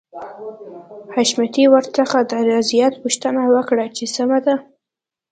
حشمتي ورڅخه د رضايت پوښتنه وکړه چې سمه ده.